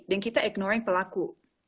dan kita ignoring pelaku